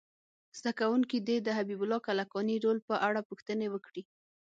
زده کوونکي دې د حبیب الله کلکاني رول په اړه پوښتنې وکړي.